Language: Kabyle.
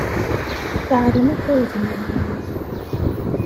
Tɛelmeḍ ur zmireɣ ara.